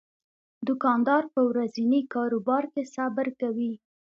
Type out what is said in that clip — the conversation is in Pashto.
دوکاندار په ورځني کاروبار کې صبر کوي.